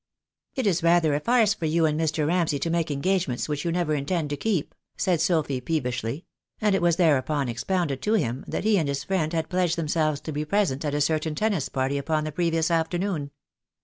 "It is rather a farce for you and Mr. Ramsay to make engagements which you never intend to keep," said Sophy peevishly; and it was thereupon expounded to him that 152 THE DAY WILL COME. he and his friend had pledged themselves to be present at a certain tennis party upon the previous afternoon.